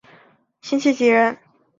辛弃疾人。